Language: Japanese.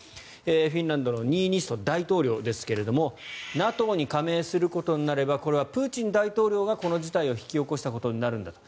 フィンランドのニーニスト大統領ですがＮＡＴＯに加盟することになればこれはプーチン大統領がこの事態を引き起こしたことになるんだと。